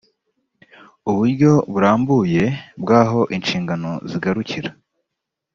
uburyo burambuye bw aho inshingano zigarukira